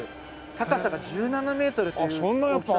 高さが１７メートルという大きさ。